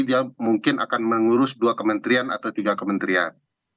dia mungkin akan mengurus dua kementerian atau tiga kementerian